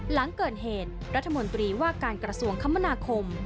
หลังเกิดเหตุรัฐมนตรีว่าการกระทรวงคมนาคม